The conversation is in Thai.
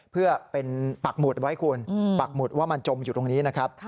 เพื่อเป็นปักหมุดไว้คุณปักหมุดว่ามันจมอยู่ตรงนี้นะครับ